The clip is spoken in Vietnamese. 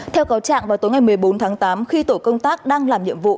theo cáo trạng vào tối ngày một mươi bốn tháng tám khi tổ công tác đang làm nhiệm vụ